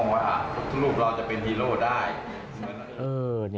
มองว่าฝุ่งธรรมลูกเราจะเป็นฮีโร่ได้